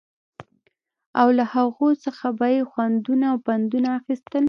او له هغو څخه به يې خوندونه او پندونه اخيستل